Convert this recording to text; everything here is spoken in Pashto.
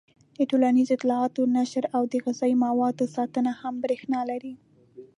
د ټولنیزو اطلاعاتو نشر او د غذايي موادو ساتنه هم برېښنا لري.